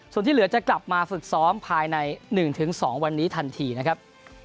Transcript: ส่วนที่เหลือจะกลับมาฝึกซ้อมภายใน๑๒วันนี้ทันทีนะครับ